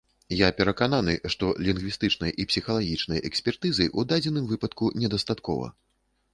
Я перакананы, што лінгвістычнай і псіхалагічнай экспертызы ў дадзеным выпадку недастаткова.